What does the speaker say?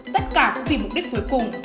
tất cả cũng vì mục đích cuối cùng